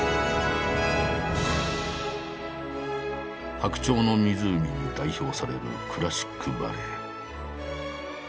「白鳥の湖」に代表されるクラシックバレエ。